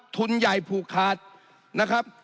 ทุนใหญ่ผูกขาดนะครับ